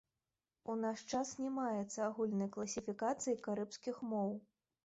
У наш час не маецца агульнай класіфікацыі карыбскіх моў.